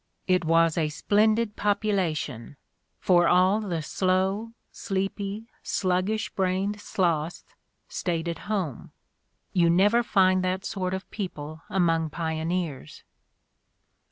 ... It was a splendid population, for all the slow, sleepy, sluggish brained sloths stayed at home — you never find that sort of people among pioneers."